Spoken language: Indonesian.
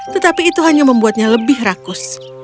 tetapi itu hanya membuatnya lebih rakus